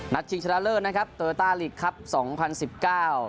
ชิงชนะเลิศนะครับโตโยต้าลีกครับสองพันสิบเก้า